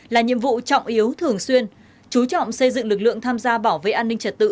là nhiệm vụ trọng yếu thường xuyên chú trọng xây dựng lực lượng tham gia bảo vệ an ninh trật tự